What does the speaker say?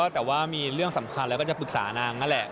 แต่ว่ามีเรื่องสำคัญแล้วก็จะปรึกษานางนั่นแหละ